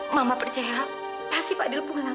mama percaya pasti fadil pulang